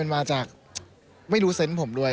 มาจากไม่รู้เซนต์ผมด้วย